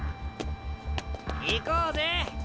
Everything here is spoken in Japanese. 行こうぜ！